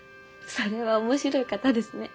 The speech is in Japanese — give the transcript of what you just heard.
それは面白い方ですね。